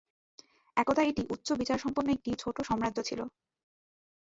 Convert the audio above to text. একদা এটি উচ্চ বিচারসম্পন্ন একটি ছোট্ট সাম্রাজ্য ছিল।